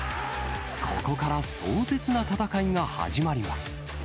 ここから壮絶な戦いが始まります。